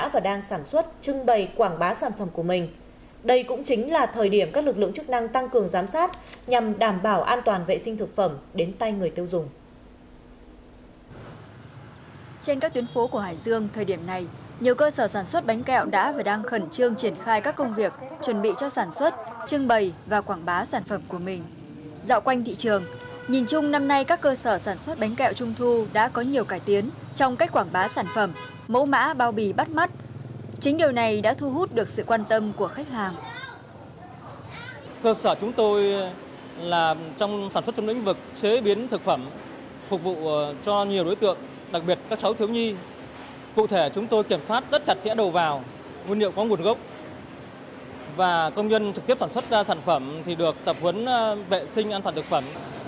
và công nhân trực tiếp sản xuất ra sản phẩm thì được tập huấn vệ sinh an toàn thực phẩm